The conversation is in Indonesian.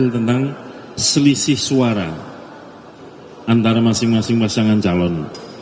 tentang selisih suara antara masing masing pasangan calon